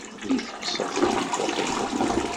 I tekkseḍ takebbuḍt-nnem?